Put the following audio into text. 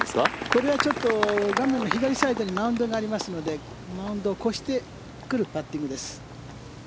これはちょっと画面の左サイドにマウンドがありますのでマウンドを越してくるパッティングです。